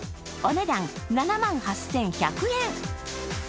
お値段７万８１００円。